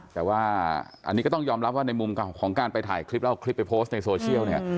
แต่ว่าอันนี้ก็ต้องยอมรับว่าในมุมของการไปถ่ายคลิปแล้วเอาคลิปไปโพสต์ในโซเชียลเนี่ย